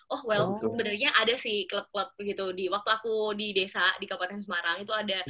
oh well sebenarnya ada sih klub klub gitu di waktu aku di desa di kabupaten semarang itu ada